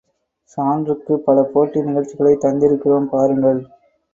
சான்றுக்கு பல போட்டி நிகழ்ச்சிகளைத் தந்திருக்கிறோம் பாருங்கள்.